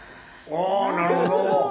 なるほど！